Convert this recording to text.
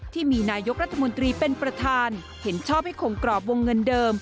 ที่มีนายกรัฐมนตรีเป็นประธานเห็นชอบให้คงกรอบวงเงินเดิม